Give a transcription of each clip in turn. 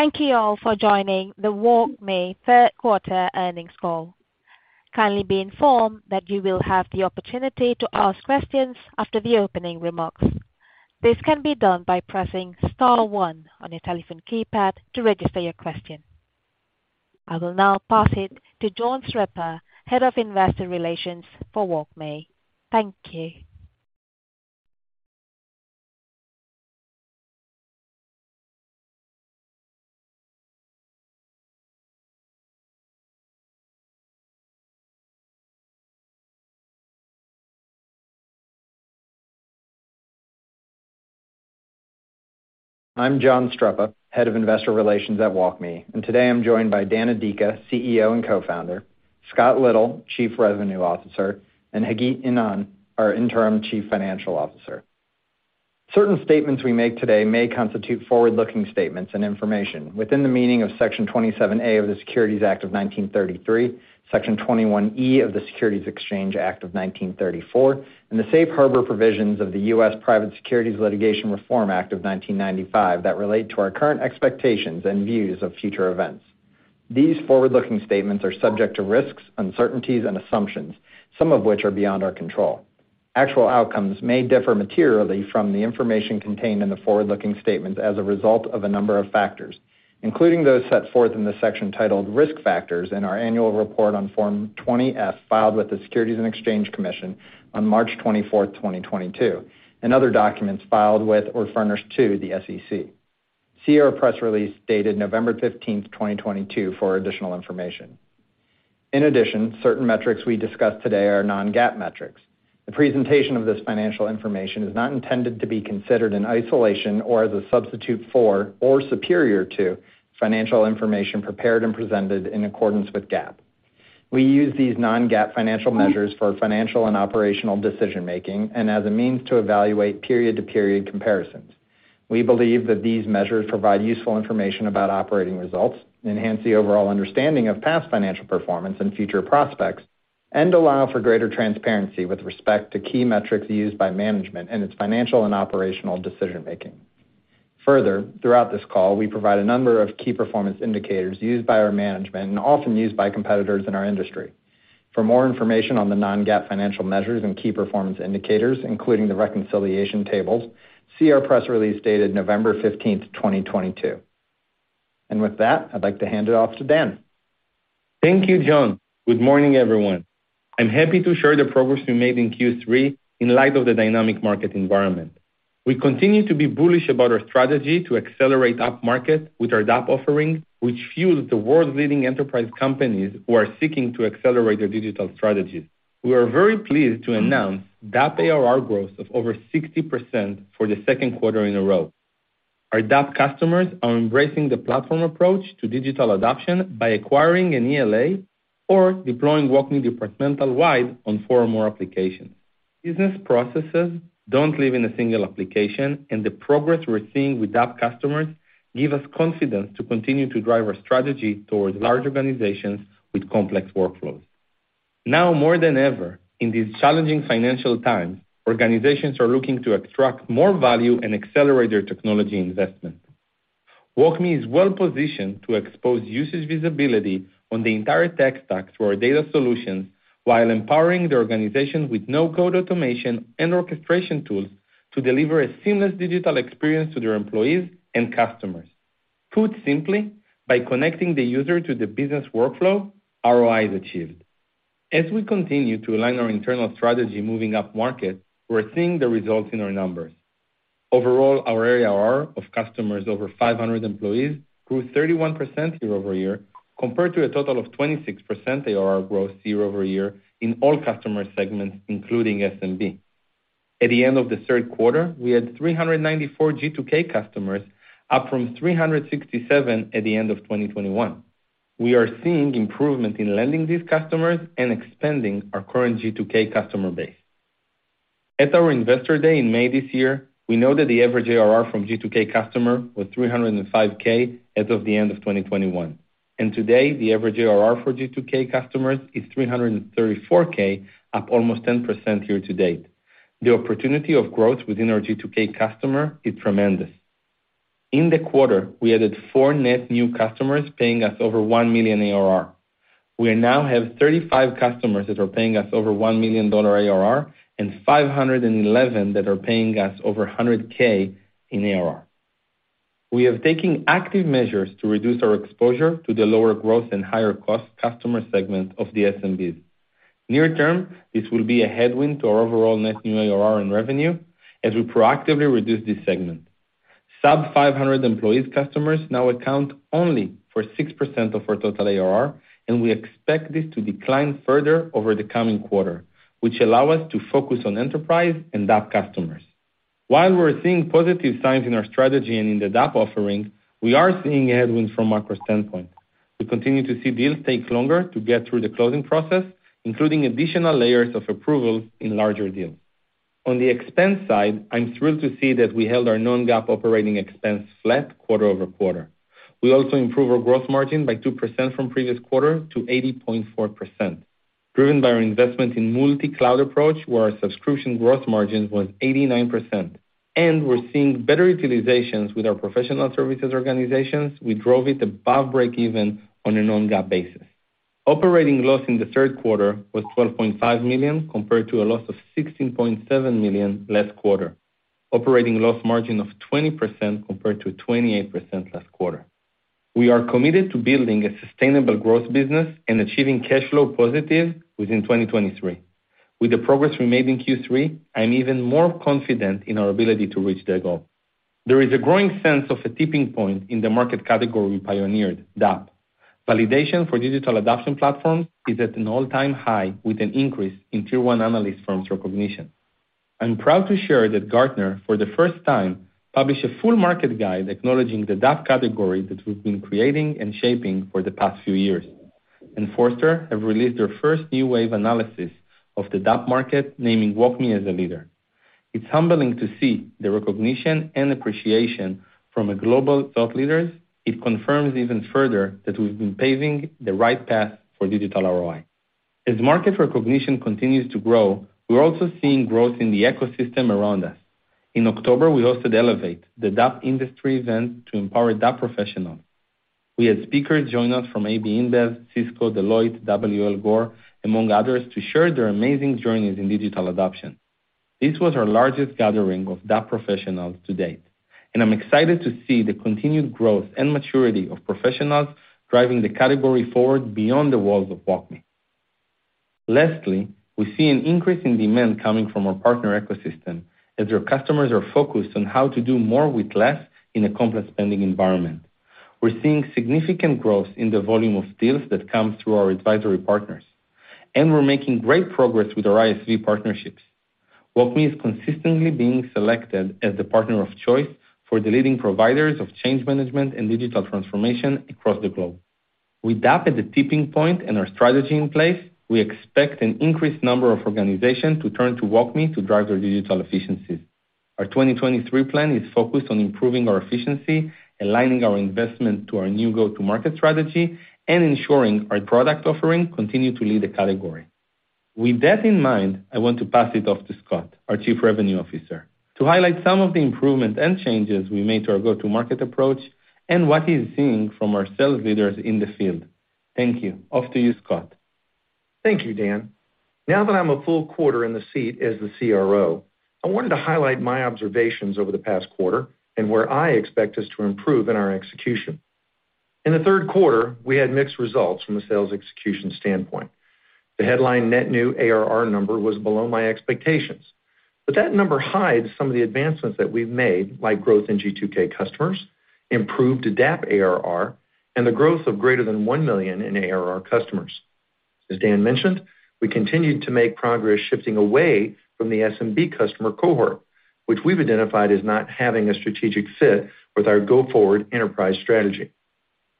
Thank you all for joining the WalkMe third quarter earnings call. Kindly be informed that you will have the opportunity to ask questions after the opening remarks. This can be done by pressing star one on your telephone keypad to register your question. I will now pass it to John Streppa, Head of Investor Relations for WalkMe. Thank you. I'm John Streppa, Head of Investor Relations at WalkMe, and today I'm joined by Dan Adika, CEO and Co-Founder, Scott Little, Chief Revenue Officer, and Hagit Ynon, our Interim Chief Financial Officer. Certain statements we make today may constitute forward-looking statements and information within the meaning of Section 27A of the Securities Act of 1933, Section 21E of the Securities Exchange Act of 1934, and the safe harbor provisions of the U.S. Private Securities Litigation Reform Act of 1995 that relate to our current expectations and views of future events. These forward-looking statements are subject to risks, uncertainties and assumptions, some of which are beyond our control. Actual outcomes may differ materially from the information contained in the forward-looking statements as a result of a number of factors, including those set forth in the section titled Risk Factors in our annual report on Form 20-F, filed with the Securities and Exchange Commission on March 24, 2022, and other documents filed with or furnished to the SEC. See our press release dated November 15, 2022 for additional information. In addition, certain metrics we discuss today are non-GAAP metrics. The presentation of this financial information is not intended to be considered in isolation or as a substitute for or superior to financial information prepared and presented in accordance with GAAP. We use these non-GAAP financial measures for financial and operational decision making and as a means to evaluate period to period comparisons. We believe that these measures provide useful information about operating results, enhance the overall understanding of past financial performance and future prospects, and allow for greater transparency with respect to key metrics used by management in its financial and operational decision making. Further, throughout this call, we provide a number of key performance indicators used by our management and often used by competitors in our industry. For more information on the non-GAAP financial measures and key performance indicators, including the reconciliation tables, see our press release dated November 15, 2022. With that, I'd like to hand it off to Dan. Thank you, John. Good morning, everyone. I'm happy to share the progress we made in Q3 in light of the dynamic market environment. We continue to be bullish about our strategy to accelerate upmarket with our DAP offering, which fuels the world's leading enterprise companies who are seeking to accelerate their digital strategies. We are very pleased to announce DAP ARR growth of over 60% for the second quarter in a row. Our DAP customers are embracing the platform approach to digital adoption by acquiring an ELA or deploying WalkMe department-wide on four or more applications. Business processes don't live in a single application, and the progress we're seeing with DAP customers give us confidence to continue to drive our strategy towards large organizations with complex workflows. Now more than ever, in these challenging financial times, organizations are looking to extract more value and accelerate their technology investment. WalkMe is well positioned to expose usage visibility on the entire tech stack through our data solutions, while empowering the organization with no-code automation and orchestration tools to deliver a seamless digital experience to their employees and customers. Put simply, by connecting the user to the business workflow, ROI is achieved. As we continue to align our internal strategy moving upmarket, we're seeing the results in our numbers. Overall, our ARR of customers over 500 employees grew 31% year over year, compared to a total of 26% ARR growth year over year in all customer segments, including SMB. At the end of the third quarter, we had 394 G2K customers, up from 367 at the end of 2021. We are seeing improvement in landing these customers and expanding our current G2K customer base. At our Investor Day in May this year, we know that the average ARR from G2K customer was $305K as of the end of 2021, and today the average ARR for G2K customers is $334K, up almost 10% year-to-date. The opportunity of growth within our G2K customer is tremendous. In the quarter, we added four net new customers paying us over $1 million ARR. We now have 35 customers that are paying us over $1 million ARR and 511 that are paying us over $100K in ARR. We have taken active measures to reduce our exposure to the lower growth and higher cost customer segment of the SMBs. Near term, this will be a headwind to our overall net new ARR and revenue as we proactively reduce this segment. Sub-500 employee customers now account only for 6% of our total ARR, and we expect this to decline further over the coming quarter, which allow us to focus on enterprise and DAP customers. While we're seeing positive signs in our strategy and in the DAP offerings, we are seeing headwinds from a macro standpoint. We continue to see deals take longer to get through the closing process, including additional layers of approval in larger deals. On the expense side, I'm thrilled to see that we held our non-GAAP operating expense flat quarter over quarter. We also improved our gross margin by 2% from previous quarter to 80.4%. Driven by our investment in multi-cloud approach, where our subscription gross margin was 89%, and we're seeing better utilizations with our professional services organizations, we drove it above break even on a non-GAAP basis. Operating loss in the third quarter was $12.5 million, compared to a loss of $16.7 million last quarter. Operating loss margin of 20% compared to 28% last quarter. We are committed to building a sustainable growth business and achieving cash flow positive within 2023. With the progress we made in Q3, I'm even more confident in our ability to reach that goal. There is a growing sense of a tipping point in the market category we pioneered, DAP. Validation for digital adoption platforms is at an all-time high with an increase in tier one analyst firms recognition. I'm proud to share that Gartner, for the first time, published a full Market Guide acknowledging the DAP category that we've been creating and shaping for the past few years. Forrester has released their first New Wave analysis of the DAP market, naming WalkMe as a leader. It's humbling to see the recognition and appreciation from global thought leaders. It confirms even further that we've been paving the right path for digital ROI. As market recognition continues to grow, we're also seeing growth in the ecosystem around us. In October, we hosted Elevate, the DAP industry event to empower DAP professionals. We had speakers join us from AB InBev, Cisco, Deloitte, W. L. Gore, among others, to share their amazing journeys in digital adoption. This was our largest gathering of DAP professionals to date, and I'm excited to see the continued growth and maturity of professionals driving the category forward beyond the walls of WalkMe. Lastly, we see an increase in demand coming from our partner ecosystem as their customers are focused on how to do more with less in a complex spending environment. We're seeing significant growth in the volume of deals that come through our advisory partners, and we're making great progress with our ISV partnerships. WalkMe is consistently being selected as the partner of choice for the leading providers of change management and digital transformation across the globe. With DAP at a tipping point and our strategy in place, we expect an increased number of organizations to turn to WalkMe to drive their digital efficiencies. Our 2023 plan is focused on improving our efficiency, aligning our investment to our new go-to-market strategy, and ensuring our product offering continue to lead the category. With that in mind, I want to pass it off to Scott, our Chief Revenue Officer, to highlight some of the improvements and changes we made to our go-to-market approach and what he's seeing from our sales leaders in the field. Thank you. Off to you, Scott. Thank you, Dan. Now that I'm a full quarter in the seat as the CRO, I wanted to highlight my observations over the past quarter and where I expect us to improve in our execution. In the third quarter, we had mixed results from a sales execution standpoint. The headline net new ARR number was below my expectations, but that number hides some of the advancements that we've made, like growth in G2K customers, improved DAP ARR, and the growth of greater than 1 million ARR customers. As Dan mentioned, we continued to make progress shifting away from the SMB customer cohort, which we've identified as not having a strategic fit with our go-forward enterprise strategy.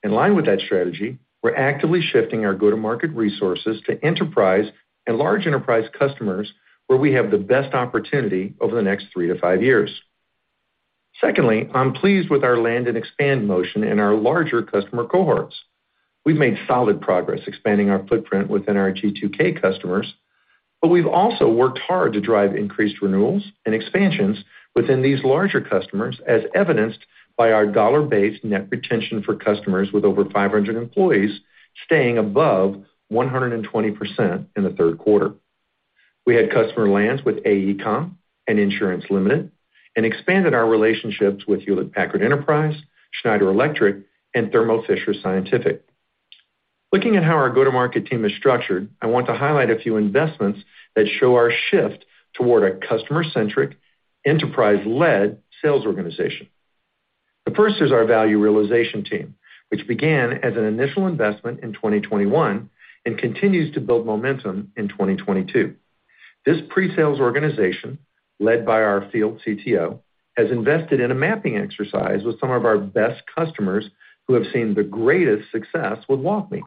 In line with that strategy, we're actively shifting our go-to-market resources to enterprise and large enterprise customers where we have the best opportunity over the next three to five years. Secondly, I'm pleased with our land-and-expand motion in our larger customer cohorts. We've made solid progress expanding our footprint within our G2K customers, but we've also worked hard to drive increased renewals and expansions within these larger customers, as evidenced by our dollar-based net retention for customers with over 500 employees staying above 120% in the third quarter. We had customer lands with AECOM and Assurance Limited and expanded our relationships with Hewlett Packard Enterprise, Schneider Electric, and Thermo Fisher Scientific. Looking at how our go-to-market team is structured, I want to highlight a few investments that show our shift toward a customer-centric, enterprise-led sales organization. The first is our value realization team, which began as an initial investment in 2021 and continues to build momentum in 2022. This pre-sales organization, led by our field CTO, has invested in a mapping exercise with some of our best customers who have seen the greatest success with WalkMe.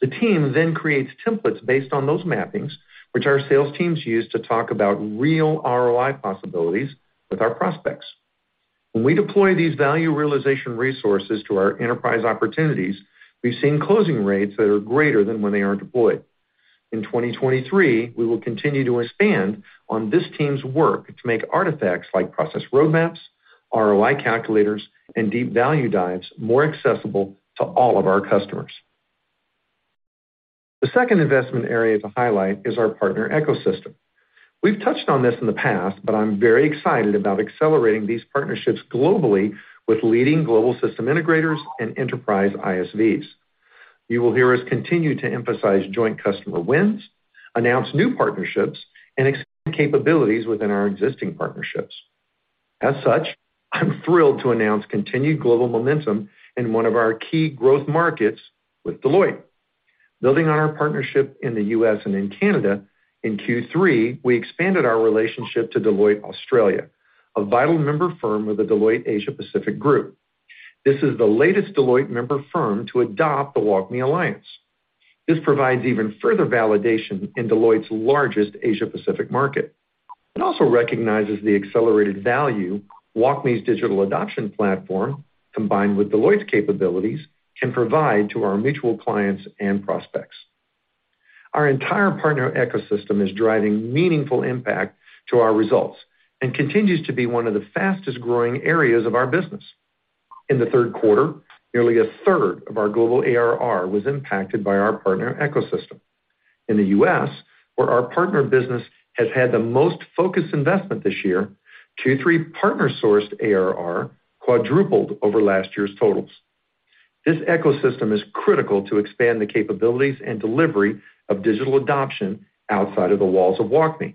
The team then creates templates based on those mappings, which our sales teams use to talk about real ROI possibilities with our prospects. When we deploy these value realization resources to our enterprise opportunities, we've seen closing rates that are greater than when they aren't deployed. In 2023, we will continue to expand on this team's work to make artifacts like process roadmaps, ROI calculators, and deep value dives more accessible to all of our customers. The second investment area to highlight is our partner ecosystem. We've touched on this in the past, but I'm very excited about accelerating these partnerships globally with leading global system integrators and enterprise ISVs. You will hear us continue to emphasize joint customer wins, announce new partnerships, and expand capabilities within our existing partnerships. As such, I'm thrilled to announce continued global momentum in one of our key growth markets with Deloitte. Building on our partnership in the U.S. and in Canada, in Q3, we expanded our relationship to Deloitte Australia, a vital member firm of the Deloitte Asia Pacific group. This is the latest Deloitte member firm to adopt the WalkMe Alliance. This provides even further validation in Deloitte's largest Asia Pacific market. It also recognizes the accelerated value WalkMe's Digital Adoption Platform, combined with Deloitte's capabilities, can provide to our mutual clients and prospects. Our entire partner ecosystem is driving meaningful impact to our results and continues to be one of the fastest-growing areas of our business. In the third quarter, nearly a third of our global ARR was impacted by our partner ecosystem. In the U.S., where our partner business has had the most focused investment this year, Q3 partner-sourced ARR quadrupled over last year's totals. This ecosystem is critical to expand the capabilities and delivery of digital adoption outside of the walls of WalkMe.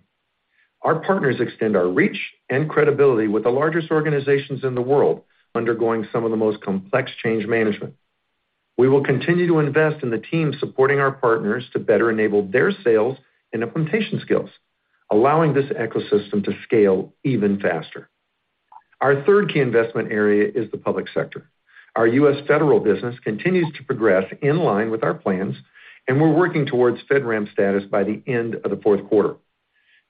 Our partners extend our reach and credibility with the largest organizations in the world undergoing some of the most complex change management. We will continue to invest in the team supporting our partners to better enable their sales and implementation skills, allowing this ecosystem to scale even faster. Our third key investment area is the public sector. Our U.S. federal business continues to progress in line with our plans, and we're working towards FedRAMP status by the end of the fourth quarter.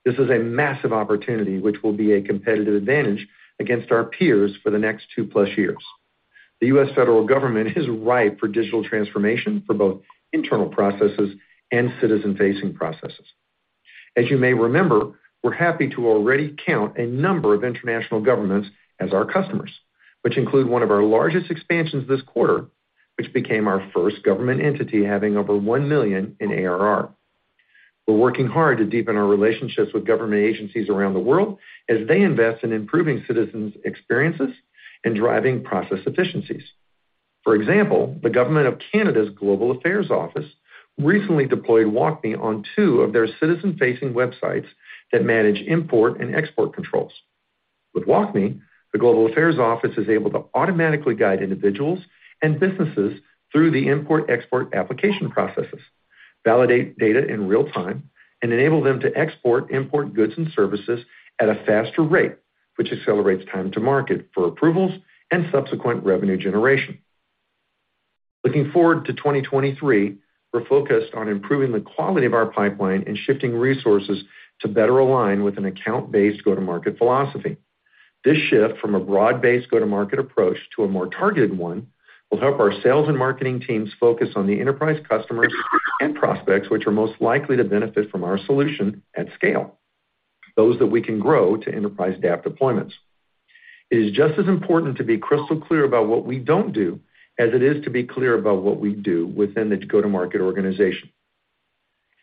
This is a massive opportunity which will be a competitive advantage against our peers for the next 2+ years. The U.S. federal government is ripe for digital transformation for both internal processes and citizen-facing processes. As you may remember, we're happy to already count a number of international governments as our customers, which include one of our largest expansions this quarter, which became our first government entity having over $1 million in ARR. We're working hard to deepen our relationships with government agencies around the world as they invest in improving citizens' experiences and driving process efficiencies. For example, the government of Canada's Global Affairs Canada recently deployed WalkMe on two of their citizen-facing websites that manage import and export controls. With WalkMe, Global Affairs Canada is able to automatically guide individuals and businesses through the import-export application processes, validate data in real time, and enable them to export, import goods and services at a faster rate, which accelerates time to market for approvals and subsequent revenue generation. Looking forward to 2023, we're focused on improving the quality of our pipeline and shifting resources to better align with an account-based go-to-market philosophy. This shift from a broad-based go-to-market approach to a more targeted one will help our sales and marketing teams focus on the enterprise customers and prospects which are most likely to benefit from our solution at scale, those that we can grow to enterprise DAP deployments. It is just as important to be crystal clear about what we don't do as it is to be clear about what we do within the go-to-market organization.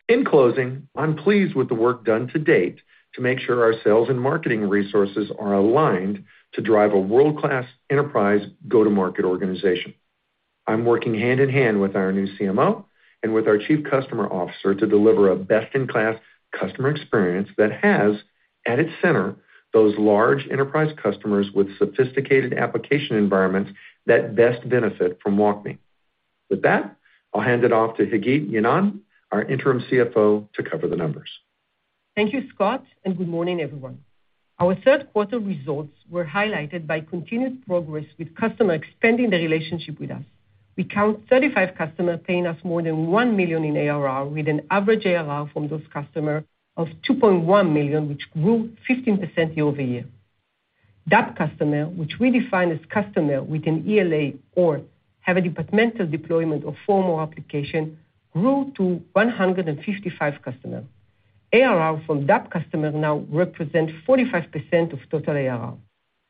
In closing, I'm pleased with the work done to date to make sure our sales and marketing resources are aligned to drive a world-class enterprise go-to-market organization. I'm working hand in hand with our new CMO and with our chief customer officer to deliver a best-in-class customer experience that has, at its center, those large enterprise customers with sophisticated application environments that best benefit from WalkMe. With that, I'll hand it off to Hagit Ynon, our interim CFO, to cover the numbers. Thank you, Scott, and good morning, everyone. Our third quarter results were highlighted by continued progress with customers expanding the relationship with us. We count 35 customers paying us more than $1 million in ARR, with an average ARR from those customers of $2.1 million, which grew 15% year-over-year. DAP customers, which we define as customers with an ELA or have a departmental deployment of formal application, grew to 155 customers. ARR from DAP customers now represent 45% of total ARR.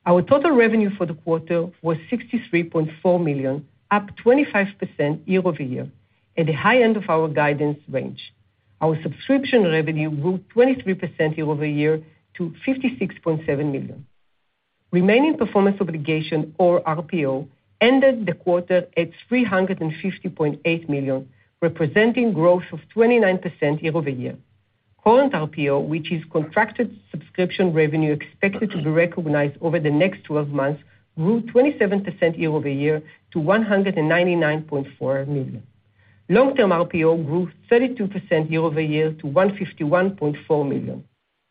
Our total revenue for the quarter was $63.4 million, up 25% year-over-year, at the high end of our guidance range. Our subscription revenue grew 23% year-over-year to $56.7 million. Remaining performance obligation or RPO ended the quarter at $350.8 million, representing growth of 29% year-over-year. Current RPO, which is contracted subscription revenue expected to be recognized over the next 12 months, grew 27% year-over-year to $199.4 million. Long-term RPO grew 32% year-over-year to $151.4 million.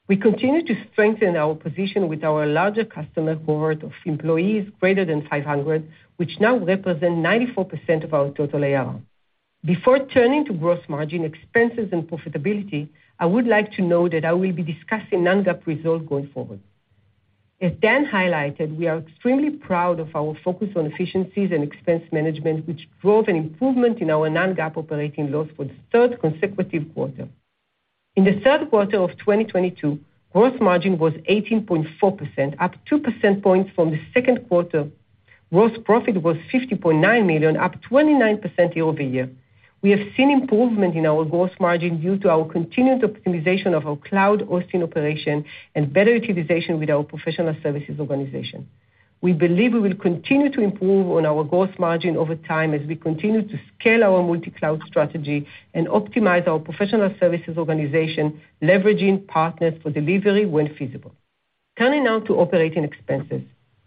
We continue to strengthen our position with our larger customer cohort of employees greater than 500, which now represent 94% of our total ARR. Before turning to gross margin expenses and profitability, I would like to note that I will be discussing non-GAAP results going forward. As Dan highlighted, we are extremely proud of our focus on efficiencies and expense management, which drove an improvement in our non-GAAP operating loss for the third consecutive quarter. In the third quarter of 2022, gross margin was 18.4%, up two percentage points from the second quarter. Gross profit was $50.9 million, up 29% year-over-year. We have seen improvement in our gross margin due to our continued optimization of our cloud hosting operation and better utilization with our professional services organization. We believe we will continue to improve on our gross margin over time as we continue to scale our multi-cloud strategy and optimize our professional services organization, leveraging partners for delivery when feasible. Turning now to operating expenses.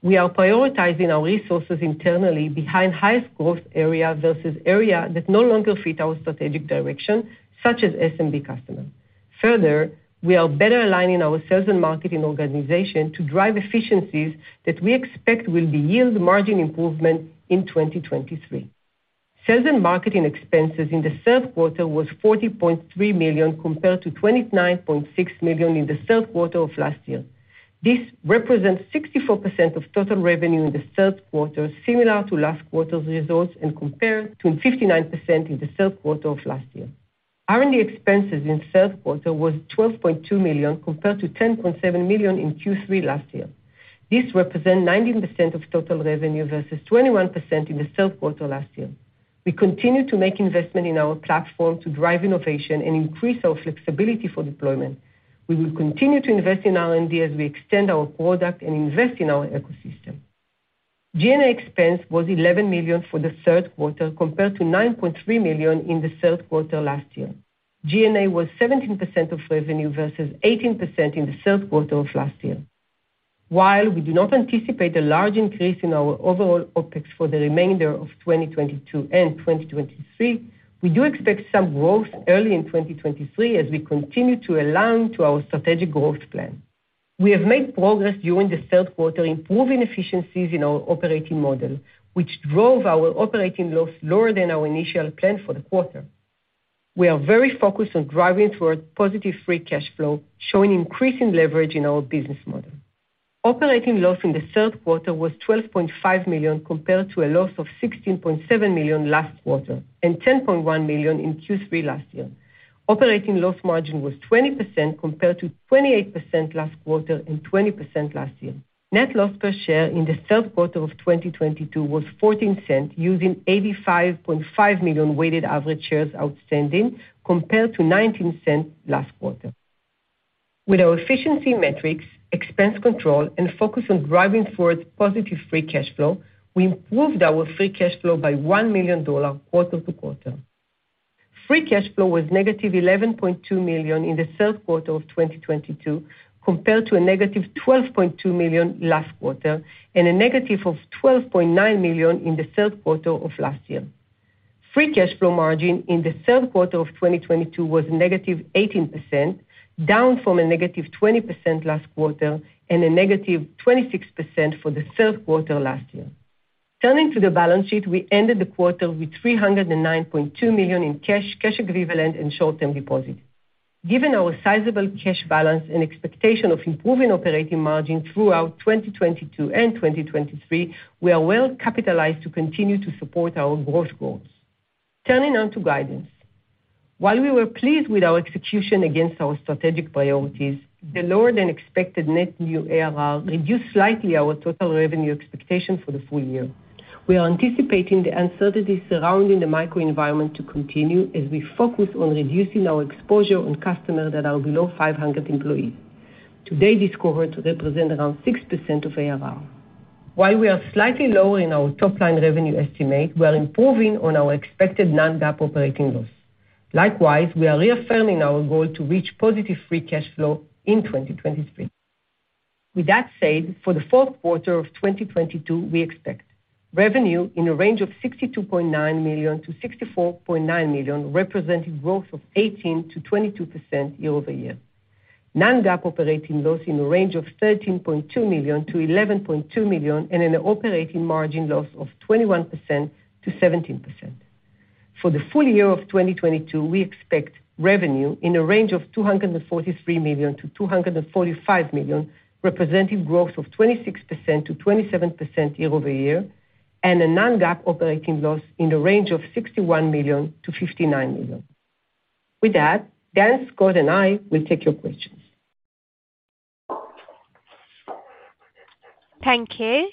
We are prioritizing our resources internally behind highest growth area versus area that no longer fit our strategic direction, such as SMB customer. Further, we are better aligning our sales and marketing organization to drive efficiencies that we expect will yield margin improvement in 2023. Sales and marketing expenses in the third quarter were $40.3 million compared to $29.6 million in the third quarter of last year. This represents 64% of total revenue in the third quarter, similar to last quarter's results and compared to 59% in the third quarter of last year. R&D expenses in the third quarter were $12.2 million compared to $10.7 million in Q3 last year. This represents 19% of total revenue versus 21% in the third quarter last year. We continue to make investment in our platform to drive innovation and increase our flexibility for deployment. We will continue to invest in R&D as we extend our product and invest in our ecosystem. G&A expense was $11 million for the third quarter compared to $9.3 million in the third quarter last year. G&A was 17% of revenue versus 18% in the third quarter of last year. While we do not anticipate a large increase in our overall OpEx for the remainder of 2022 and 2023, we do expect some growth early in 2023 as we continue to align to our strategic growth plan. We have made progress during the third quarter, improving efficiencies in our operating model, which drove our operating loss lower than our initial plan for the quarter. We are very focused on driving towards positive free cash flow, showing increasing leverage in our business model. Operating loss in the third quarter was $12.5 million compared to a loss of $16.7 million last quarter and $10.1 million in Q3 last year. Operating loss margin was 20% compared to 28% last quarter and 20% last year. Net loss per share in the third quarter of 2022 was $0.14, using 85.5 million weighted average shares outstanding compared to $0.19 last quarter. With our efficiency metrics, expense control, and focus on driving towards positive free cash flow, we improved our free cash flow by $1 million quarter-to-quarter. Free cash flow was -$11.2 million in the third quarter of 2022 compared to a -$12.2 million last quarter and a negative of $12.9 million in the third quarter of last year. Free cash flow margin in the third quarter of 2022 was negative 18%, down from a negative 20% last quarter and a negative 26% for the third quarter last year. Turning to the balance sheet, we ended the quarter with $309.2 million in cash equivalents, and short-term deposits. Given our sizable cash balance and expectation of improving operating margin throughout 2022 and 2023, we are well capitalized to continue to support our growth goals. Turning to guidance. While we were pleased with our execution against our strategic priorities, the lower than expected net new ARR reduced slightly our total revenue expectation for the full year. We are anticipating the uncertainty surrounding the macro environment to continue as we focus on reducing our exposure to customers that are below 500 employees. Today, this cohort represents around 6% of ARR. While we are slightly lower in our top line revenue estimate, we are improving on our expected non-GAAP operating loss. Likewise, we are reaffirming our goal to reach positive free cash flow in 2023. With that said, for the fourth quarter of 2022, we expect revenue in a range of $62.9 million-$64.9 million, representing growth of 18%-22% year-over-year. Non-GAAP operating loss in the range of $13.2 million-$11.2 million and an operating margin loss of 21%-17%. For the full year of 2022, we expect revenue in a range of $243 million-$245 million, representing growth of 26%-27% year-over-year, and a non-GAAP operating loss in the range of $61 million-$59 million. With that, Dan, Scott, and I will take your questions. Thank you.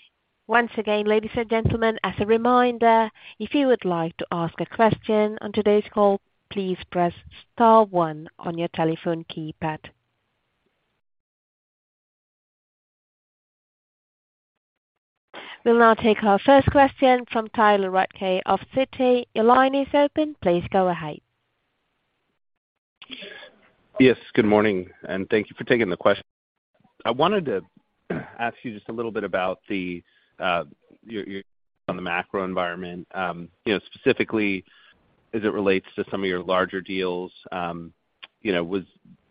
Once again, ladies and gentlemen, as a reminder, if you would like to ask a question on today's call, please press star one on your telephone keypad. We'll now take our first question from Tyler Radke of Citi. Your line is open. Please go ahead. Yes, good morning, and thank you for taking the question. I wanted to ask you just a little bit about your take on the macro environment, you know, specifically as it relates to some of your larger deals. You know, was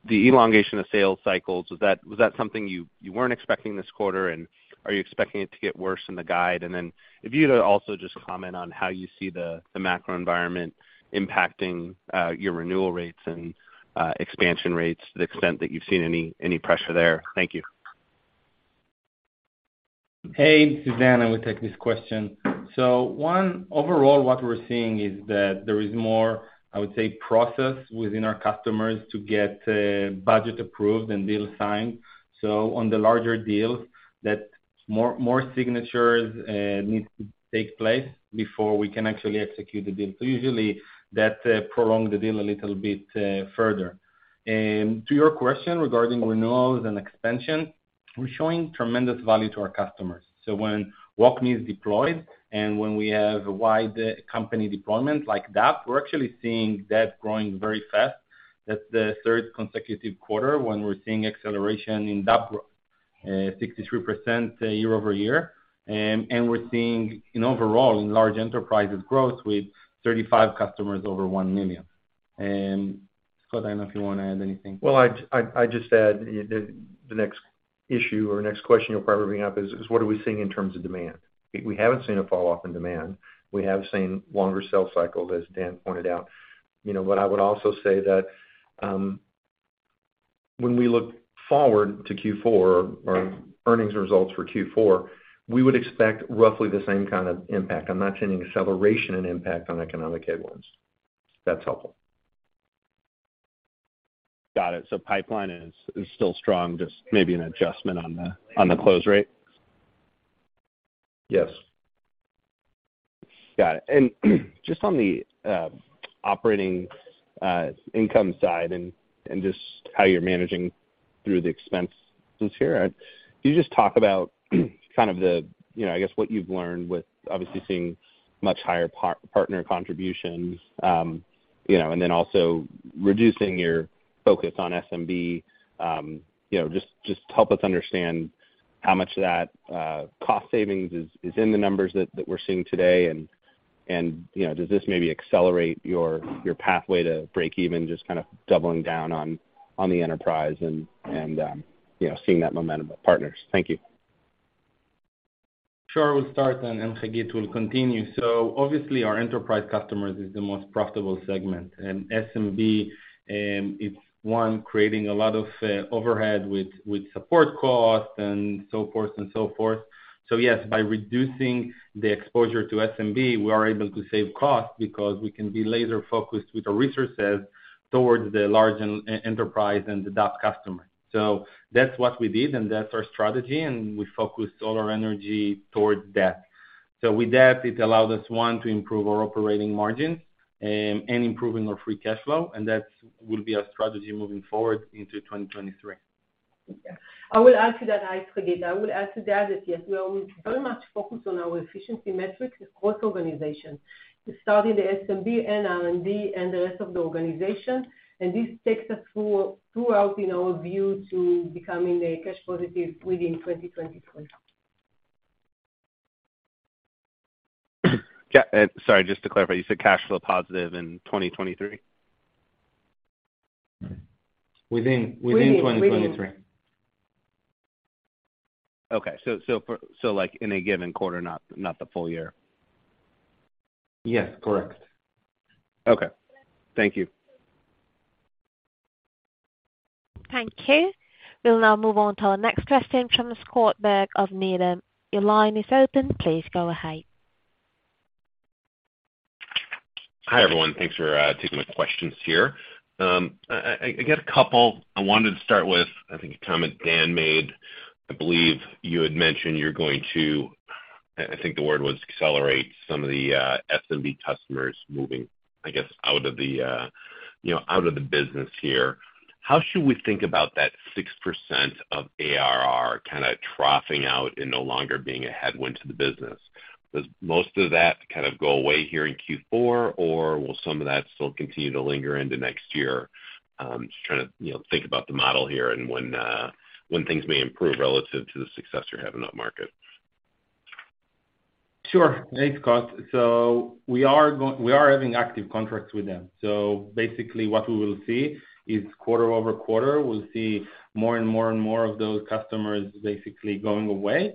the elongation of sales cycles was that something you weren't expecting this quarter and are you expecting it to get worse in the guide? Then if you were to also just comment on how you see the macro environment impacting your renewal rates and expansion rates to the extent that you've seen any pressure there. Thank you. Hey, this is Dan. I will take this question. One, overall what we're seeing is that there is more, I would say, process within our customers to get budget approved and deal signed. On the larger deals that more signatures needs to take place before we can actually execute the deal. Usually that prolong the deal a little bit further. To your question regarding renewals and expansion, we're showing tremendous value to our customers. When WalkMe is deployed and when we have a wide company deployment like that, we're actually seeing that growing very fast. That's the third consecutive quarter when we're seeing acceleration in that growth, 63% year-over-year. We're seeing in overall in large enterprises growth with 35 customers over $1 million. Scott, I don't know if you wanna add anything. Well, I'd just add the next issue or next question you'll probably have is what are we seeing in terms of demand. We haven't seen a fall off in demand. We have seen longer sales cycles, as Dan pointed out. You know what, I would also say that when we look forward to Q4 or our earnings results for Q4, we would expect roughly the same kind of impact. I'm not seeing acceleration and impact on economic headwinds. If that's helpful. Got it. Pipeline is still strong, just maybe an adjustment on the close rate? Yes. Got it. Just on the operating income side and just how you're managing through the expense that's here. Can you just talk about kind of the, you know, I guess, what you've learned with obviously seeing much higher partner contributions, you know, and then also reducing your focus on SMB, you know, just help us understand how much of that cost savings is in the numbers that we're seeing today and, you know, does this maybe accelerate your pathway to break even just kind of doubling down on the enterprise and, you know, seeing that momentum with partners? Thank you. Sure. We'll start then, and Hagit will continue. Obviously our enterprise customers is the most profitable segment, and SMB, it's one creating a lot of overhead with support costs and so forth. Yes, by reducing the exposure to SMB, we are able to save costs because we can be laser focused with our resources towards the large enterprise and the DAP customer. That's what we did, and that's our strategy, and we focused all our energy towards that. With that, it allowed us, one, to improve our operating margins, and improving our free cash flow, and that will be our strategy moving forward into 2023. I will add to that. Hi, it's Hagit. I would add to that yes, we are very much focused on our efficiency metrics across the organization. It started in the SMB and R&D and the rest of the organization, and this takes us throughout, in our view, to becoming cash positive within 2023. Yeah, sorry, just to clarify, you said cash flow positive in 2023? Within 2023. Within. Like in a given quarter, not the full year? Yes. Correct. Okay. Thank you. Thank you. We'll now move on to our next question from Scott Berg of Needham. Your line is open. Please go ahead. Hi, everyone. Thanks for taking the questions here. I got a couple. I wanted to start with, I think a comment Dan made. I believe you had mentioned you're going to, I think the word was accelerate some of the SMB customers moving, I guess, out of the, you know, out of the business here. How should we think about that 6% of ARR kinda troughing out and no longer being a headwind to the business? Does most of that kind of go away here in Q4, or will some of that still continue to linger into next year? Just trying to, you know, think about the model here and when things may improve relative to the success you're having up market. Sure. Thanks, Scott. We are having active contracts with them. Basically what we will see is quarter-over-quarter, we'll see more and more and more of those customers basically going away.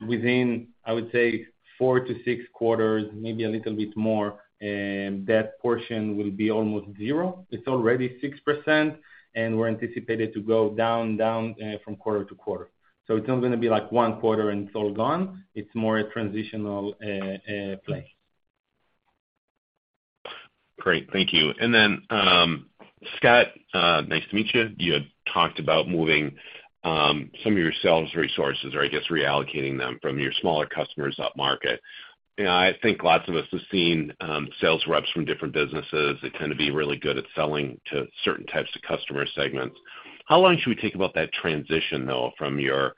Within, I would say four to six quarters, maybe a little bit more, that portion will be almost zero. It's already 6%, and it's anticipated to go down from quarter-over-quarter. It's not gonna be like one quarter and it's all gone. It's more a transitional play. Great. Thank you. Scott, nice to meet you. You had talked about moving some of your sales resources or I guess reallocating them from your smaller customers upmarket. You know, I think lots of us have seen sales reps from different businesses. They tend to be really good at selling to certain types of customer segments. How long should we think about that transition, though, from your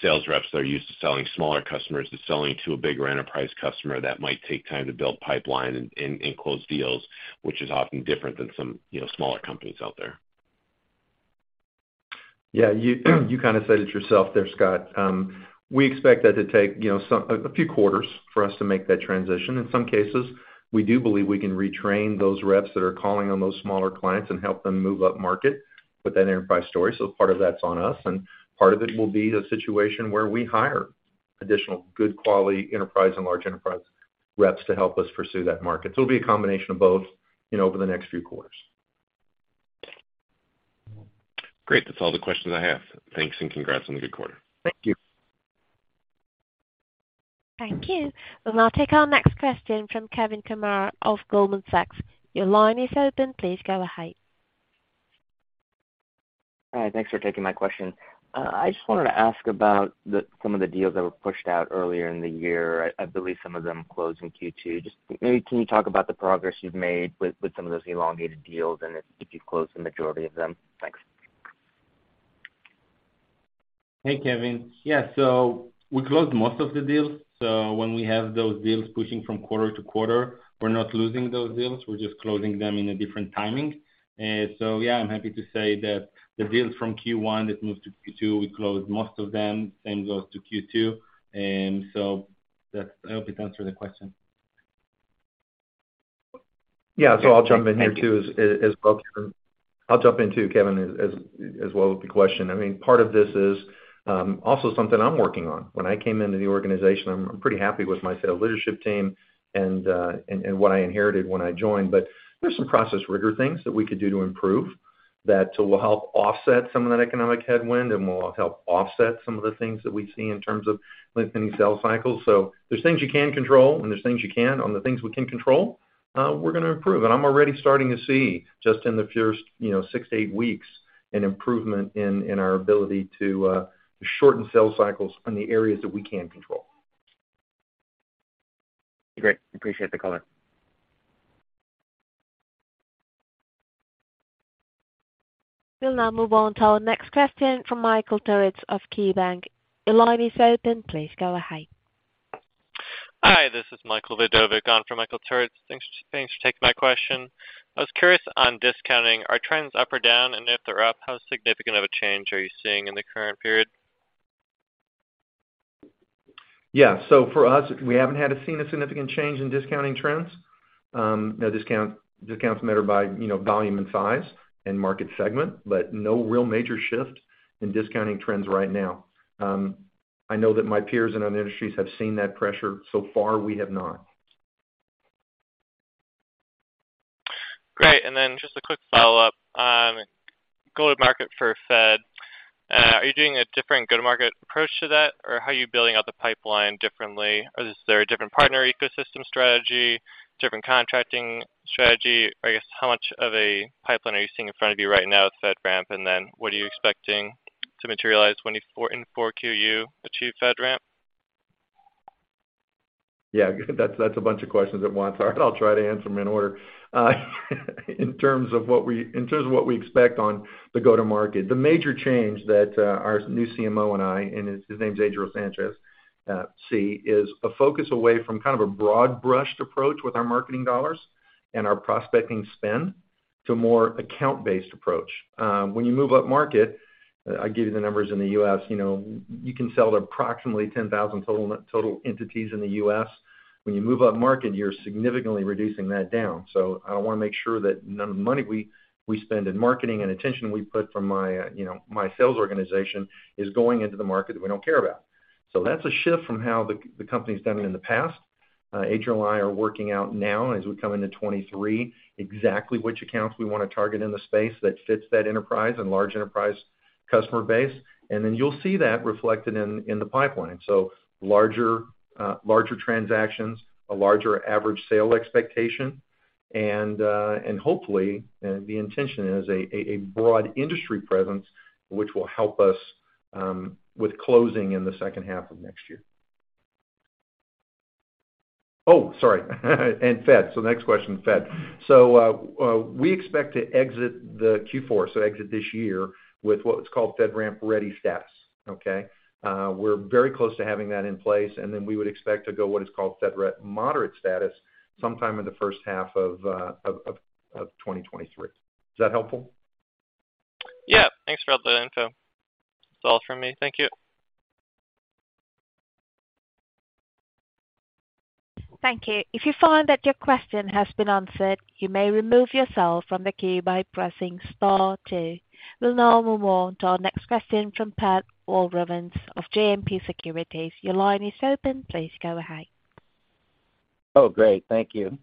sales reps that are used to selling smaller customers to selling to a bigger enterprise customer that might take time to build pipeline and close deals, which is often different than some smaller companies out there? Yeah, you kinda said it yourself there, Scott. We expect that to take, you know, a few quarters for us to make that transition. In some cases, we do believe we can retrain those reps that are calling on those smaller clients and help them move upmarket with that enterprise story. Part of that's on us, and part of it will be a situation where we hire additional good quality enterprise and large enterprise reps to help us pursue that market. It'll be a combination of both, you know, over the next few quarters. Great. That's all the questions I have. Thanks, and congrats on the good quarter. Thank you. Thank you. We'll now take our next question from Kash Rangan of Goldman Sachs. Your line is open. Please go ahead. Hi. Thanks for taking my question. I just wanted to ask about some of the deals that were pushed out earlier in the year. I believe some of them closed in Q2. Just maybe can you talk about the progress you've made with some of those elongated deals and if you've closed the majority of them? Thanks. Hey, Kash. Yeah. We closed most of the deals. When we have those deals pushing from quarter to quarter, we're not losing those deals. We're just closing them in a different timing. Yeah, I'm happy to say that the deals from Q1 that moved to Q2, we closed most of them, same goes to Q2. I hope it answered the question. Yeah. I'll jump in here too, Kash, with the question. I mean, part of this is also something I'm working on. When I came into the organization, I'm pretty happy with my sales leadership team and what I inherited when I joined. There's some process rigor things that we could do to improve that will help offset some of that economic headwind and will help offset some of the things that we see in terms of lengthening sales cycles. There's things you can control, and there's things you can't. On the things we can control, we're gonna improve. I'm already starting to see, just in the first, you know, six to eigh weeks, an improvement in our ability to shorten sales cycles in the areas that we can control. Great. Appreciate the color. We'll now move on to our next question from Michael Turits of KeyBanc. Your line is open. Please go ahead. Hi, this is Michael Vidovic on for Michael Turits. Thanks for taking my question. I was curious on discounting. Are trends up or down? If they're up, how significant of a change are you seeing in the current period? Yeah. For us, we haven't had or seen a significant change in discounting trends. You know, discounts matter by, you know, volume, and size, and market segment, but no real major shifts in discounting trends right now. I know that my peers in other industries have seen that pressure. So far, we have not. Great. Just a quick follow-up. Go-to-market for FedRAMP, are you doing a different go-to-market approach to that, or how are you building out the pipeline differently? Or is there a different partner ecosystem strategy, different contracting strategy? I guess, how much of a pipeline are you seeing in front of you right now with FedRAMP? And then what are you expecting to materialize when you in Q4 achieve FedRAMP? Yeah, that's a bunch of questions at once. All right, I'll try to answer them in order. In terms of what we expect on the go-to-market, the major change that our new CMO and I see is a focus away from kind of a broad-brushed approach with our marketing dollars and our prospecting spend to a more account-based approach. When you move upmarket, I'll give you the numbers in the US. You know, you can sell to approximately 10,000 total entities in the US. When you move upmarket, you're significantly reducing that down. I want to make sure that the money we spend in marketing and attention we put from my sales organization is going into the market that we do care about. That's a shift from how the company's done it in the past. Adriel and I are working out now as we come into 2023, exactly which accounts we wanna target in the space that fits that enterprise and large enterprise customer base. You'll see that reflected in the pipeline. Larger transactions, a larger average sale expectation, and hopefully, the intention is a broad industry presence, which will help us with closing in the second half of next year. Next question, Fed. We expect to exit Q4, so exit this year, with what was called FedRAMP Ready status. Okay? We're very close to having that in place, and then we would expect to go what is called FedRAMP Moderate status sometime in the first half of 2023. Is that helpful? Yeah. Thanks for all the info. That's all from me. Thank you. Thank you. If you find that your question has been answered, you may remove yourself from the queue by pressing star two. We'll now move on to our next question from Pat Walravens of JMP Securities. Your line is open. Please go ahead. Oh, great. Thank you.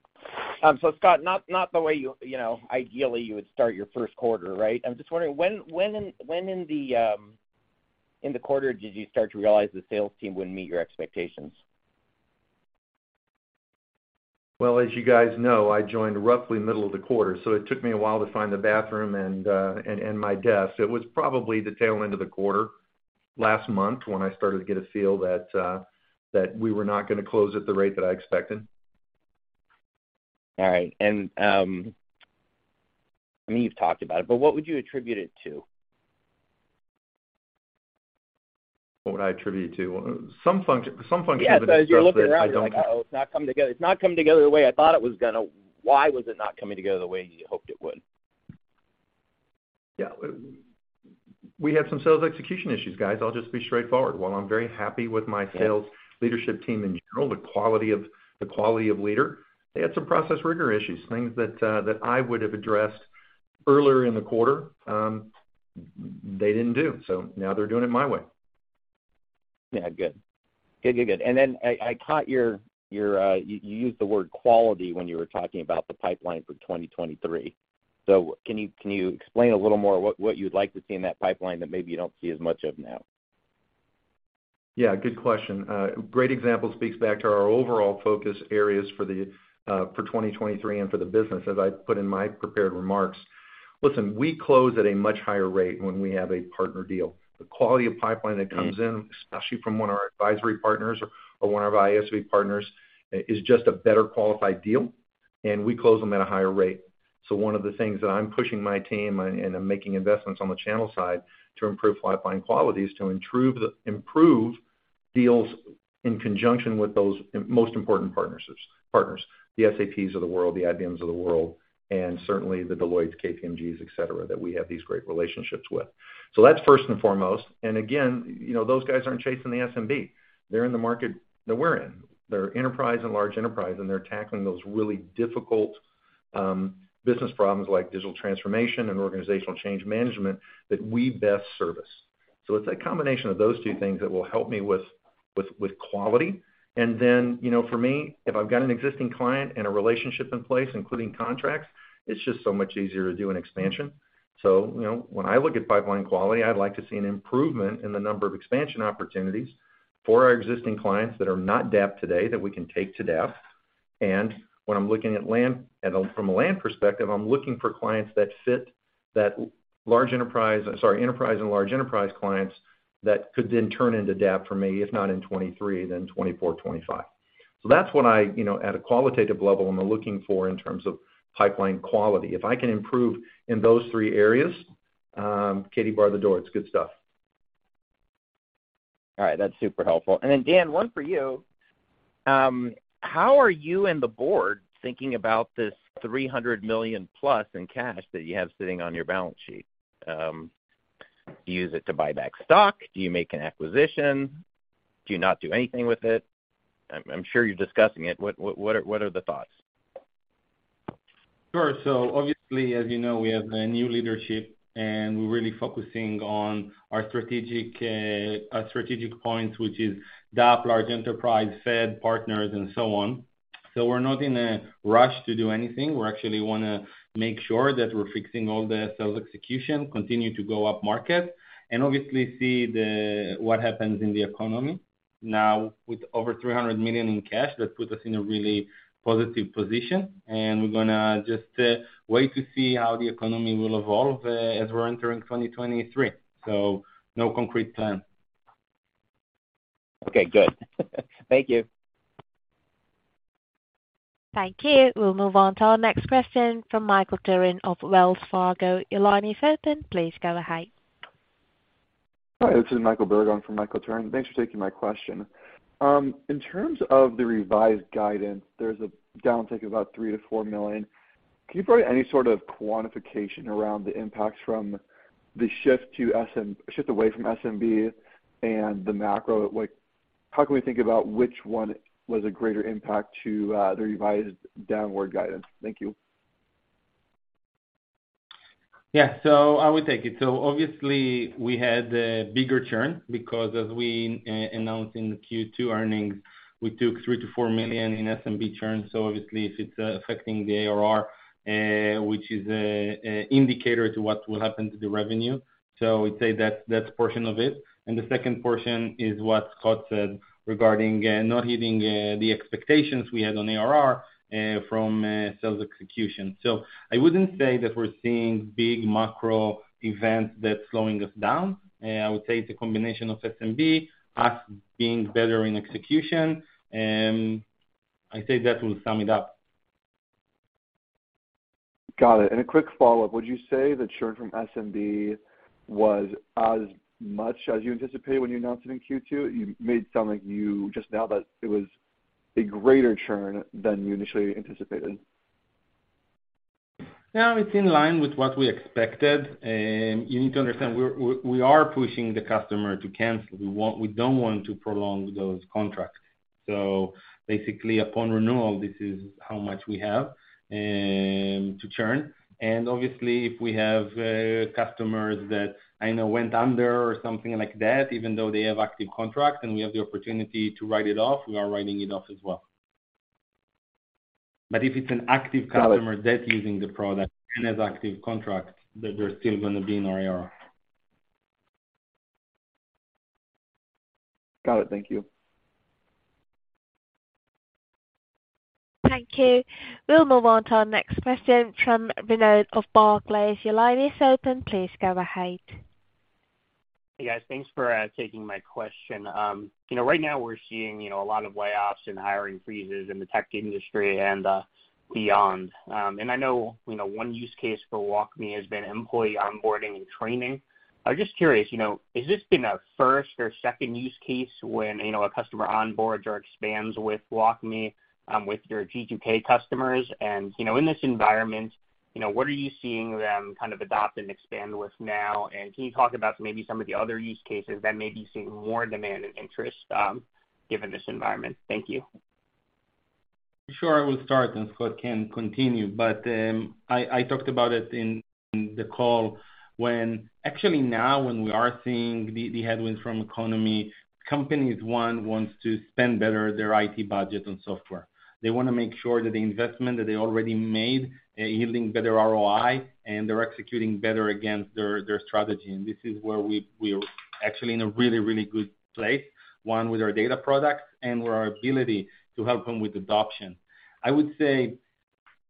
Scott, not the way you know, ideally you would start your first quarter, right? I'm just wondering when in the quarter did you start to realize the sales team wouldn't meet your expectations? Well, as you guys know, I joined roughly middle of the quarter, so it took me a while to find the bathroom and my desk. It was probably the tail end of the quarter, last month, when I started to get a feel that we were not gonna close at the rate that I expected. All right. I mean, you've talked about it, but what would you attribute it to? What would I attribute it to? Some function of it is- Yeah. As you're looking around, you're like, "Oh, it's not coming together. It's not coming together the way I thought it was gonna." Why was it not coming together the way you hoped it would? Yeah. We had some sales execution issues, guys. I'll just be straightforward. While I'm very happy with my sales leadership team in general, the quality of leader they had some process rigor issues, things that I would have addressed earlier in the quarter, they didn't do. Now they're doing it my way. Yeah. Good. I caught you used the word quality when you were talking about the pipeline for 2023. Can you explain a little more what you'd like to see in that pipeline that maybe you don't see as much of now? Yeah, good question. Great example speaks back to our overall focus areas for 2023 and for the business, as I put in my prepared remarks. Listen, we close at a much higher rate when we have a partner deal. The quality of pipeline that comes in, especially from one of our advisory partners or one of our ISV partners, is just a better qualified deal, and we close them at a higher rate. One of the things that I'm pushing my team and I'm making investments on the channel side to improve pipeline quality is to improve deals in conjunction with those most important partners, the SAPs of the world, the IBMs of the world, and certainly the Deloittes, KPMG's, et cetera, that we have these great relationships with. That's first and foremost. Again, you know, those guys aren't chasing the SMB. They're in the market that we're in. They're enterprise and large enterprise, and they're tackling those really difficult business problems like digital transformation and organizational change management that we best service. It's a combination of those two things that will help me with quality. You know, for me, if I've got an existing client and a relationship in place, including contracts, it's just so much easier to do an expansion. You know, when I look at pipeline quality, I'd like to see an improvement in the number of expansion opportunities for our existing clients that are not DAP today, that we can take to DAP. When I'm looking at land, from a land perspective, I'm looking for clients that fit that enterprise and large enterprise clients that could then turn into DAP for me, if not in 2023, then 2024, 2025. That's when I, you know, at a qualitative level, I'm looking for in terms of pipeline quality. If I can improve in those three areas, Katie bar the door. It's good stuff. All right. That's super helpful. Dan, one for you. How are you and the board thinking about this $300 million plus in cash that you have sitting on your balance sheet? Do you use it to buy back stock? Do you make an acquisition? Do you not do anything with it? I'm sure you're discussing it. What are the thoughts? Sure. Obviously, as you know, we have a new leadership, and we're really focusing on our strategic point, which is DAP, large enterprise, Fed, partners, and so on. We're not in a rush to do anything. We actually wanna make sure that we're fixing all the sales execution, continue to go up market, and obviously see what happens in the economy. Now, with over $300 million in cash, that put us in a really positive position, and we're gonna just wait to see how the economy will evolve as we're entering 2023. No concrete plan. Okay, good. Thank you. Thank you. We'll move on to our next question from Michael Turrin of Wells Fargo. Your line is open. Please go ahead. Hi, this is Michael Berg for Michael Turrin from Wells Fargo. Thanks for taking my question. In terms of the revised guidance, there's a downtick of about $3 million-$4 million. Can you provide any sort of quantification around the impacts from the shift away from SMB and the macro? Like, how can we think about which one was a greater impact to the revised downward guidance? Thank you. Yeah. I will take it. Obviously, we had a bigger churn because as we announced in the Q2 earnings, we took $3 million-$4 million in SMB churn. Obviously, if it's affecting the ARR, which is a indicator to what will happen to the revenue. I'd say that's portion of it. The second portion is what Scott said regarding not hitting the expectations we had on ARR from sales execution. I wouldn't say that we're seeing big macro events that's slowing us down. I would say it's a combination of SMB, us being better in execution. I say that will sum it up. Got it. A quick follow-up. Would you say the churn from SMB was as much as you anticipated when you announced it in Q2? You made it sound like you just know that it was a greater churn than you initially anticipated. No, it's in line with what we expected. You need to understand, we are pushing the customer to cancel. We don't want to prolong those contracts. Basically, upon renewal, this is how much we have to churn. Obviously, if we have customers that I know went under or something like that, even though they have active contracts and we have the opportunity to write it off, we are writing it off as well. If it's an active customer that's using the product and has active contracts, they're still gonna be in our ARR. Got it. Thank you. Thank you. We'll move on to our next question from Raimo Lenschow of Barclays. Your line is open. Please go ahead. Hey, guys. Thanks for taking my question. You know, right now we're seeing a lot of layoffs and hiring freezes in the tech industry and beyond. I know one use case for WalkMe has been employee onboarding and training. I'm just curious, has this been a first or second use case when a customer onboards or expands with WalkMe with your G2K customers? In this environment, what are you seeing them kind of adopt and expand with now? Can you talk about maybe some of the other use cases that may be seeing more demand and interest given this environment? Thank you. Sure. I will start, and Scott can continue. I talked about it in the call when we are seeing the headwinds from the economy. Companies want to spend their IT budget better on software. They wanna make sure that the investment that they already made is yielding better ROI and they're executing better against their strategy. This is where we're actually in a really, really good place with our data products and with our ability to help them with adoption. I would say,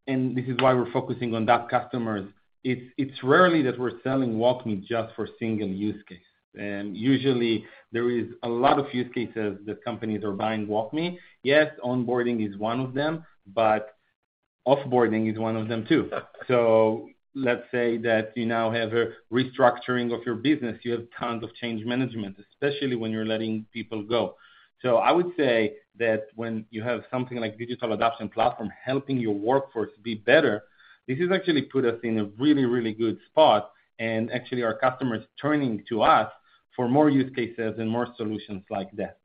and this is why we're focusing on DAP customers. It's rarely that we're selling WalkMe just for single use case. Usually there is a lot of use cases that companies are buying WalkMe. Yes, onboarding is one of them, but offboarding is one of them, too. Let's say that you now have a restructuring of your business. You have tons of change management, especially when you're letting people go. I would say that when you have something like Digital Adoption Platform helping your workforce be better, this has actually put us in a really, really good spot, and actually our customers turning to us for more use cases and more solutions like that.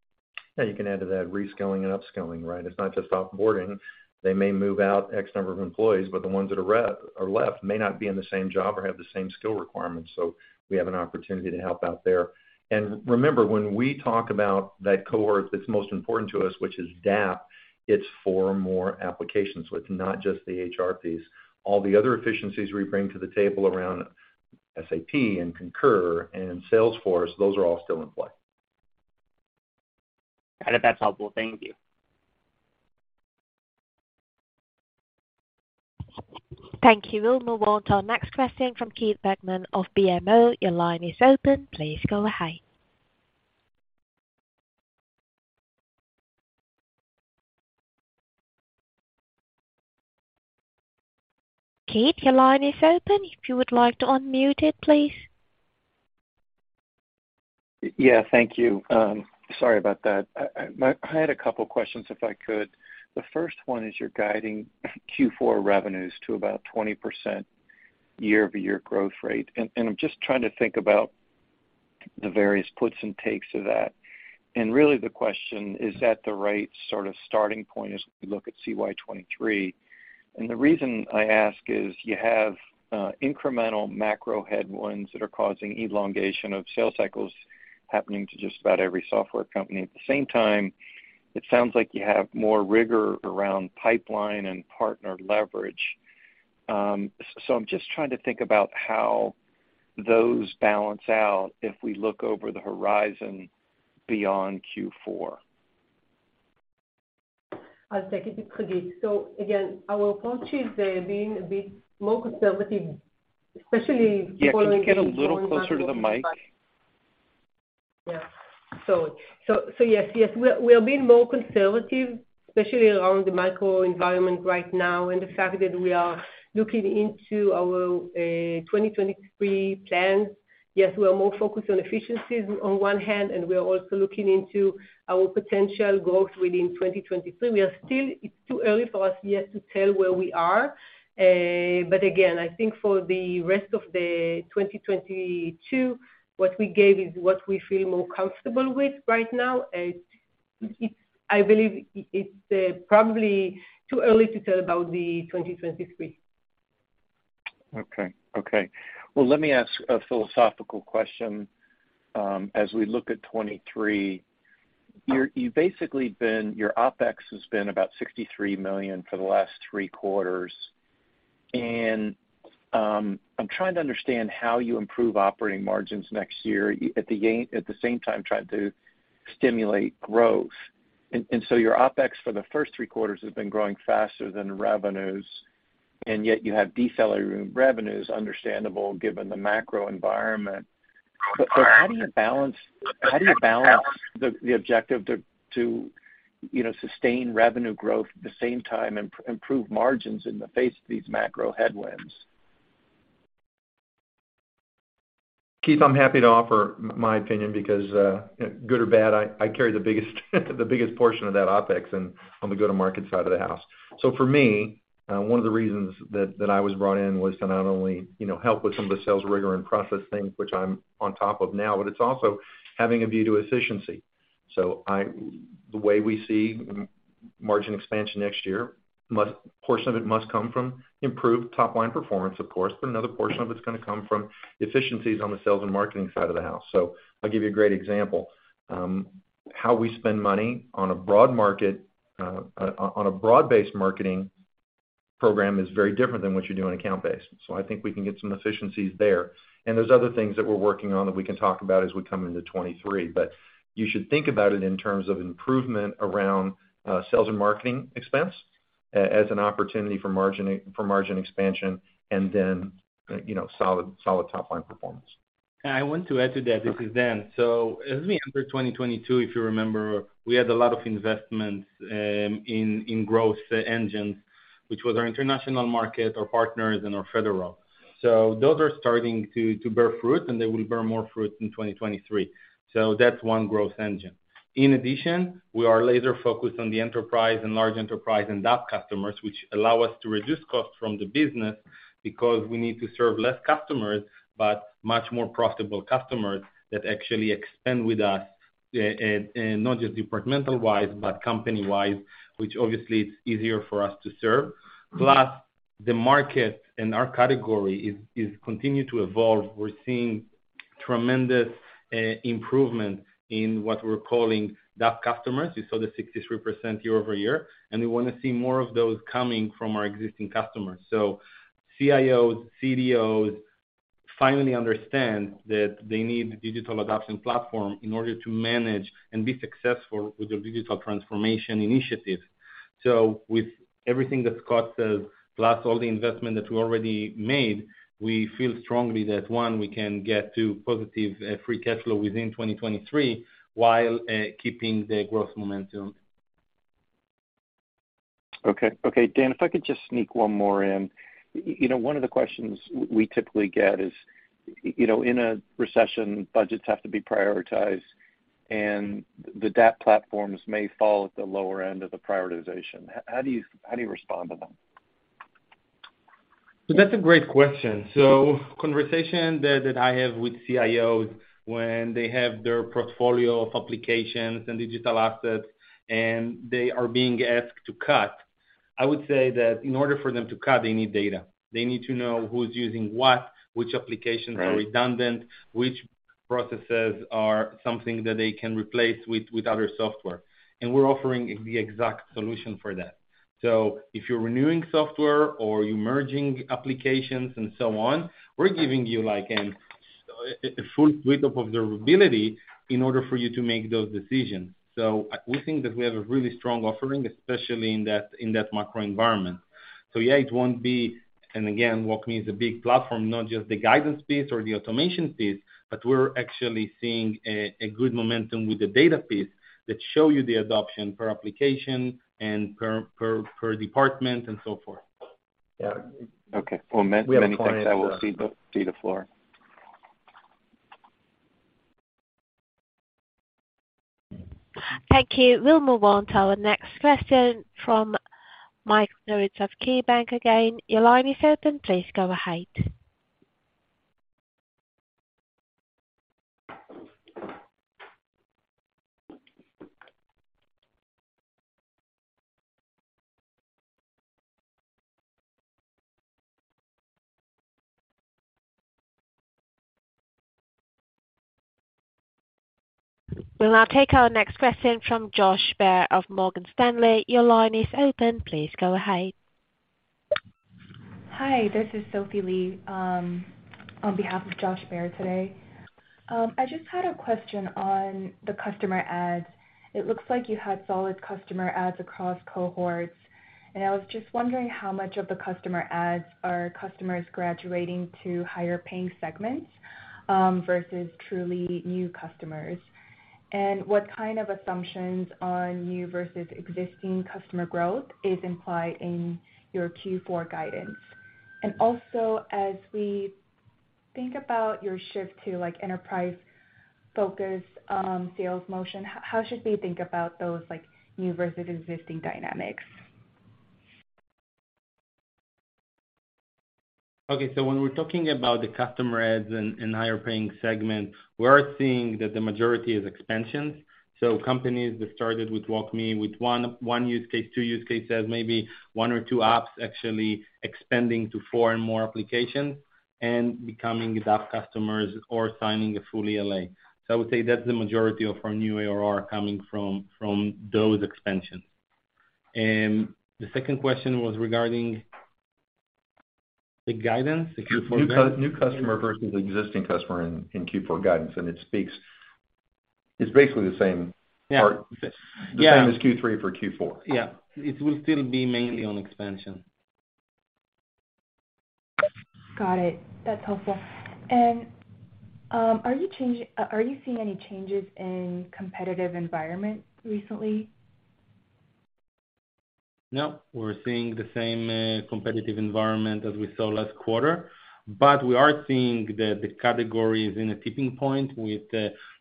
Yeah, you can add to that reskilling and upskilling, right? It's not just off-boarding. They may move out X number of employees, but the ones that are left may not be in the same job or have the same skill requirements. We have an opportunity to help out there. Remember, when we talk about that cohort that's most important to us, which is DAP, it's four more applications. It's not just the HR piece. All the other efficiencies we bring to the table around SAP and Concur and Salesforce, those are all still in play. Got it. That's helpful. Thank you. Thank you. We'll move on to our next question from Keith Bachman of BMO. Your line is open. Please go ahead. Keith, your line is open if you would like to unmute it, please. Yeah, thank you. Sorry about that. I had a couple questions, if I could. The first one is you're guiding Q4 revenues to about 20% year-over-year growth rate. I'm just trying to think about the various puts and takes of that. Really, the question is that the right sort of starting point as we look at CY 2023? The reason I ask is you have incremental macro headwinds that are causing elongation of sales cycles happening to just about every software company. At the same time, it sounds like you have more rigor around pipeline and partner leverage. So I'm just trying to think about how those balance out if we look over the horizon beyond Q4. I'll take it. It's Hagit. Again, our approach is being a bit more conservative, especially calling. Yeah, can you get a little closer to the mic? Yeah. Sorry. Yes. We are being more conservative, especially around the macro environment right now, and the fact that we are looking into our 2023 plans. Yes, we are more focused on efficiencies on one hand, and we are also looking into our potential growth within 2023. We are still. It's too early for us yet to tell where we are. Again, I think for the rest of 2022, what we gave is what we feel more comfortable with right now. It's. I believe it's probably too early to tell about 2023. Okay. Well, let me ask a philosophical question, as we look at 2023. You've basically been—your OpEx has been about $63 million for the last three quarters. I'm trying to understand how you improve operating margins next year at the same time trying to stimulate growth. Your OpEx for the first three quarters has been growing faster than revenues, and yet you have decelerating revenues, understandable given the macro environment. How do you balance the objective to, you know, sustain revenue growth at the same time, improve margins in the face of these macro headwinds? Keith, I'm happy to offer my opinion because good or bad, I carry the biggest portion of that OpEx on the go-to-market side of the house. For me, one of the reasons that I was brought in was to not only, you know, help with some of the sales rigor and process things, which I'm on top of now, but it's also having a view to efficiency. The way we see margin expansion next year must. Portion of it must come from improved top-line performance, of course, but another portion of it's gonna come from efficiencies on the sales and marketing side of the house. I'll give you a great example. How we spend money on a broad market on a broad-based marketing program is very different than what you do on account base. I think we can get some efficiencies there. There's other things that we're working on that we can talk about as we come into 2023. You should think about it in terms of improvement around sales and marketing expense as an opportunity for margin expansion and then you know solid top-line performance. I want to add to that. This is Dan Adika. As we enter 2022, if you remember, we had a lot of investments in growth engines, which was our international market, our partners, and our federal. Those are starting to bear fruit, and they will bear more fruit in 2023. That's one growth engine. In addition, we are laser-focused on the enterprise and large enterprise and DAP customers, which allow us to reduce costs from the business because we need to serve less customers, but much more profitable customers that actually expand with us, not just departmental-wise but company-wise, which obviously it's easier for us to serve. Plus, the market in our category continues to evolve. We're seeing tremendous improvement in what we're calling DAP customers. You saw the 63% year-over-year, and we wanna see more of those coming from our existing customers. CIOs, CDOs finally understand that they need Digital Adoption Platform in order to manage and be successful with their digital transformation initiatives. With everything that Scott said, plus all the investment that we already made, we feel strongly that, one, we can get to positive free cash flow within 2023 while keeping the growth momentum. Okay. Okay, Dan, if I could just sneak one more in. You know, one of the questions we typically get is, you know, in a recession, budgets have to be prioritized and the DAP platforms may fall at the lower end of the prioritization. How do you respond to that? That's a great question. Conversation that I have with CIOs when they have their portfolio of applications and digital assets and they are being asked to cut, I would say that in order for them to cut, they need data. They need to know who's using what, which applications. Right. Processes are redundant, which processes are something that they can replace with other software. We're offering the exact solution for that. If you're renewing software or you're merging applications and so on, we're giving you like a full suite of observability in order for you to make those decisions. We think that we have a really strong offering, especially in that macro environment. Yeah, it won't be. Again, WalkMe is a big platform, not just the guidance piece or the automation piece, but we're actually seeing a good momentum with the data piece that show you the adoption per application and per department and so forth. Yeah. Okay. Well, many, many thanks. I will cede the floor. Thank you. We'll move on to our next question from Michael Turits of KeyBanc again. Your line is open. Please go ahead. We'll now take our next question from Josh Baer of Morgan Stanley. Your line is open. Please go ahead. Hi, this is Sophie Lee, on behalf of Josh Baer today. I just had a question on the customer adds. It looks like you had solid customer adds across cohorts, and I was just wondering how much of the customer adds are customers graduating to higher paying segments, versus truly new customers. What kind of assumptions on new versus existing customer growth is implied in your Q4 guidance? Also, as we think about your shift to, like, enterprise-focused, sales motion, how should we think about those, like, new versus existing dynamics? Okay. When we're talking about the customer adds and higher paying segment, we're seeing that the majority is expansions. Companies that started with WalkMe with one use case, two use cases, maybe one or two apps actually expanding to four and more applications and becoming DAP customers or signing a full ELA. I would say that's the majority of our new ARR coming from those expansions. The second question was regarding the guidance, the Q4- New customer versus existing customer in Q4 guidance, and it speaks. It's basically the same part. Yeah. The same as Q3 for Q4. Yeah. It will still be mainly on expansion. Got it. That's helpful. Are you seeing any changes in competitive environment recently? No, we're seeing the same competitive environment as we saw last quarter. We are seeing that the category is in a tipping point with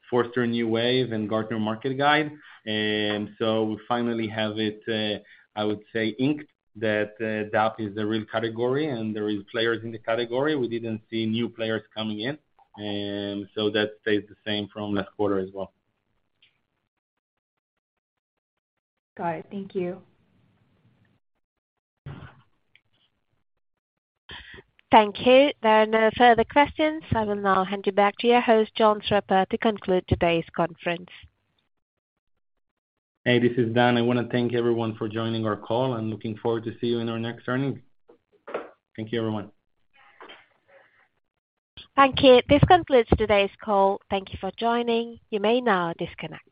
Forrester New Wave and Gartner Market Guide. We finally have it, I would say inked, that DAP is the real category and there is players in the category. We didn't see new players coming in, and so that stays the same from last quarter as well. Got it. Thank you. Thank you. There are no further questions. I will now hand you back to your host, John Streppa, to conclude today's conference. Hey, this is Dan. I wanna thank everyone for joining our call, and looking forward to see you in our next earnings. Thank you, everyone. Thank you. This concludes today's call. Thank you for joining. You may now disconnect.